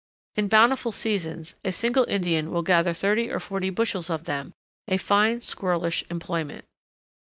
In bountiful seasons a single Indian will gather thirty or forty bushels of them—a fine squirrelish employment.